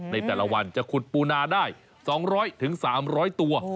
ในแต่ละวันจะขุดปูนาได้๒๐๐๓๐๐ตัว